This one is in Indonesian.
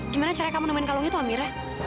gimana cara kamu nemenin kalung itu amira